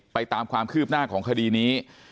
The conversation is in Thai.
ตามความคืบหน้าของคดีนี้